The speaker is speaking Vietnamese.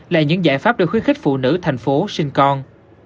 là những giải pháp để khuyến khích phụ nữ thành phố sinh con